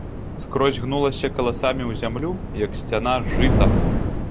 Скрозь гнулася каласамі ў зямлю, як сцяна, жыта.